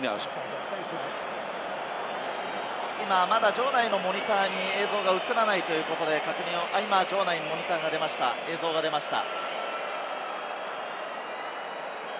場内のモニターに映像が映らないということでしたが、場内に映像が出ました。